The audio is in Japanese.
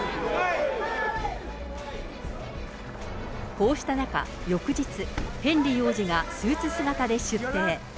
こうした中、翌日、ヘンリー王子がスーツ姿で出廷。